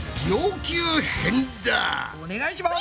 お願いします！